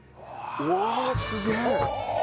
うわすげえ！はあ